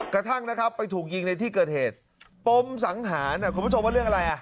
กระทั่งนะครับไปถูกยิงในที่เกิดเหตุปมสังหารคุณผู้ชมว่าเรื่องอะไรอ่ะ